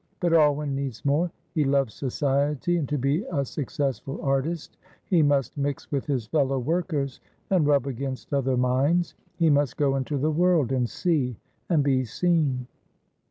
But Alwyn needs more. He loves society, and to be a successful artist he must mix with his fellow workers, and rub against other minds. He must go into the world and see and be seen."